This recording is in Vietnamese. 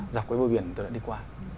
dọc cái bờ biển tôi đã đi qua